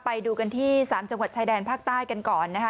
ไปดูกันที่๓จังหวัดชายแดนภาคใต้กันก่อนนะคะ